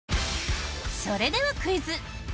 それではクイズ！